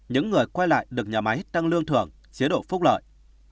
những người quay lại được nhà máy tăng lương thưởng chế độ phúc lợi